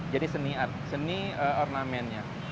jadi seni art seni ornamentnya